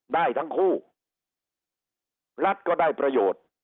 ได้ทั้งคู่รัฐก็ได้ประโยชน์